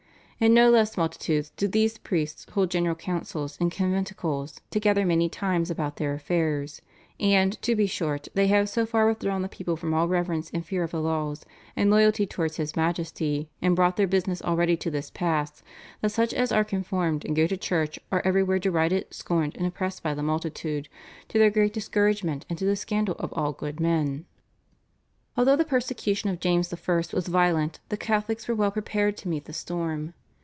In no less multitudes do these priests hold general councils and conventicles together many times about their affairs; and, to be short, they have so far withdrawn the people from all reverence and fear of the laws and loyalty towards his Majesty, and brought their business already to this pass, that such as are conformed and go to church are everywhere derided, scorned, and oppressed by the multitude, to their great discouragement, and to the scandal of all good men." Although the persecution of James I. was violent the Catholics were well prepared to meet the storm.